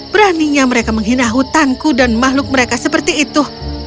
beraninya mereka menghina hutanku dan makhluk mereka seperti itu